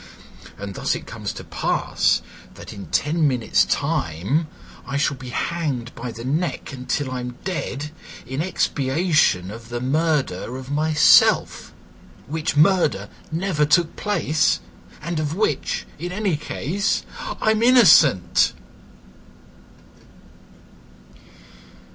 And thus it comes to pass that in ten minutes' time I shall be hanged by the neck until I am dead in expiation of the murder of myself, which murder never took place, and of which, in any case, I am innocent."